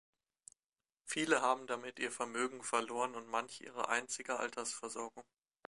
Viele haben damit ihr Vermögen verloren und manche ihre einzige Altersversorgung.